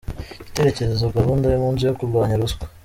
Igitekerezo Gahunda y’umunsi yo ku kurwanya ruswa